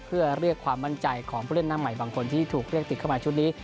เพื่อเรียกความมั่นใจของผู้เล่นหน้าใหม่บางคนที่ถูกเรียกติดเข้ามาชุดนี้